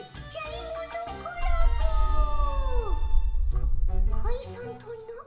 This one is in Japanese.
かかいさんとな。